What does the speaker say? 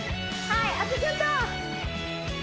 はい！